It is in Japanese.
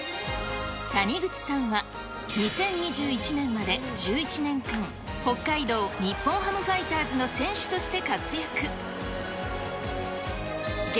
谷口さんは、２０２１年まで１１年間、北海道日本ハムファイターズの選手として活躍。